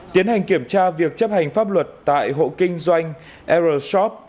tiến hành kiểm tra việc chấp hành pháp luật tại hộ kinh doanh rshop